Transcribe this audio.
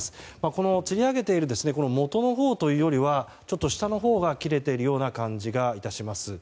このつり上げているもとのほうというよりはちょっと下のほうが切れている感じがします。